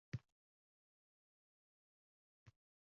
Bolalar esa mashinani nima qilishini bilmay, o`zlari uylarida qolishadi